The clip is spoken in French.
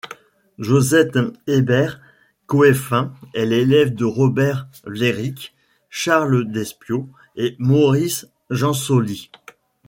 Josette Hébert-Coëffin est l'élève de Robert Wlérick, Charles Despiau et Maurice Gensoli.